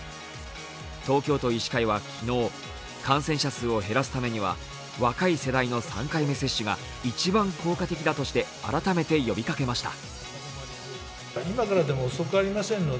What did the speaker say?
東京都医師会は昨日、感染者数を減らすためには若い世代の３回目接種が一番効果的だとして改めて呼びかけました。